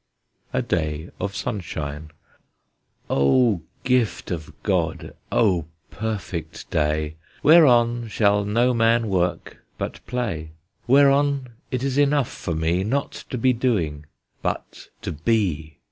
A DAY OF SUNSHINE. O gift of God! O perfect day: Whereon shall no man work, but play; Whereon it is enough for me, Not to be doing, but to be!